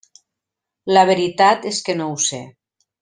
La veritat és que no ho sé.